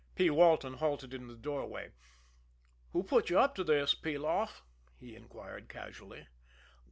P. Walton halted in the doorway. "Who put you up to this, Peloff?" he inquired casually.